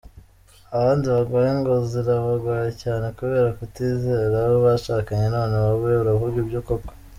abandi bagore ingo zirabagoye cyane kubera kutizera abo bashakanye none wowe uravuga ibyo koko!!!!.